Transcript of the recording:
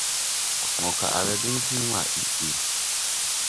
Mo kaʼ la diŋ tiŋ ma iggi.